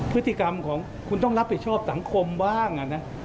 พฤติกรรมของคุณต้องรับผิดชอบสังคมบ้าง